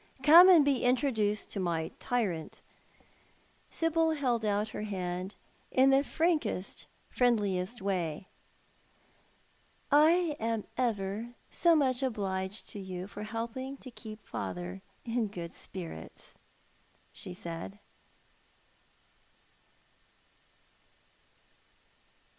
Come and be introduced to my tyrant." Sibyl held out her hand to him in the frankest, friendliest way. " I am ever so much obliged to you for helping to keep father in good spirits," she said.